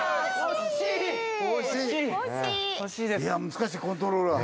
難しいコントロールが。